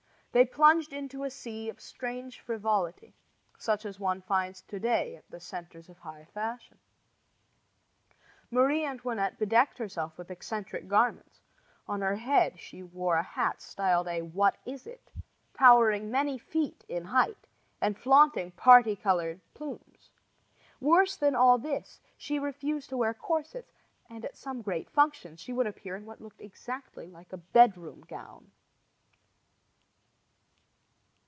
They plunged into a sea of strange frivolity, such as one finds to day at the centers of high fashion. Marie Antoinette bedecked herself with eccentric garments. On her head she wore a hat styled a "what is it," towering many feet in height and flaunting parti colored plumes. Worse than all this, she refused to wear corsets, and at some great functions she would appear in what looked exactly like a bedroom gown.